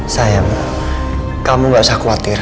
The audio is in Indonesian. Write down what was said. sayang kamu gak usah khawatir